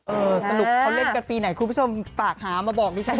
โอ้สนุกเค้าเล่นกับปีไหนครูผู้ชมฝากหามาบอกดี